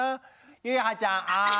ゆいはちゃんあん。